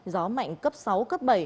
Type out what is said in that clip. gió mạnh cấp sáu cấp bảy